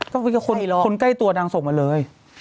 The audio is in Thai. คนใกล้ตัวนางส่งมาเลย